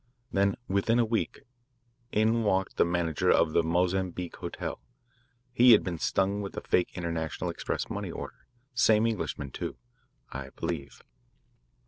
"Then within a week, in walked the manager of the Mozambique Hotel he had been stung with the fake International Express money order same Englishman, too, I believe."